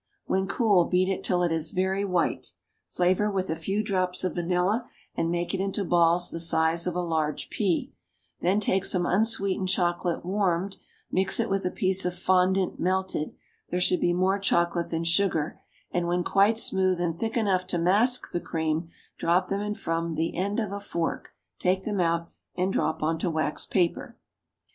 When cool beat it till it is very white, flavor with a few drops of vanilla and make it into balls the size of a large pea; then take some unsweetened chocolate warmed, mix it with a piece of fondant melted there should be more chocolate than sugar and when quite smooth and thick enough to mask the cream, drop them in from the end of a fork, take them out, and drop on to wax paper.